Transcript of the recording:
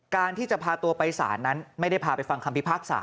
การที่จะพาตัวไปศาลนั้นไม่ได้พาไปฟังคำพิพากษา